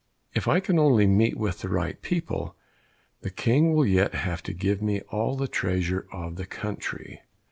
If I can only meet with the right people, the King will yet have to give me all the treasure of the country."